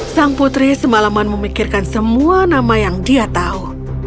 sang putri semalaman memikirkan semua nama yang dia tahu